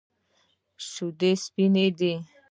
شیدې سپینې دي.